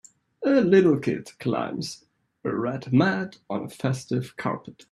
A little kid climbs a red mat on a festive carpet.